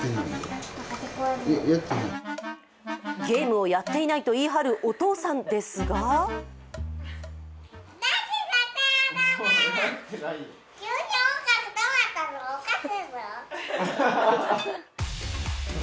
ゲームをやっていないと言い張るお父さんですがり